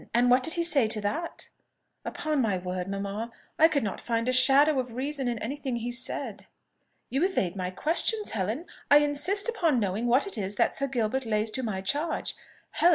and what did he say to that?" "Upon my word, mamma, I could not find a shadow of reason in any thing he said." "You evade my questions, Helen. I insist upon knowing what it is that Sir Gilbert lays to my charge. Helen!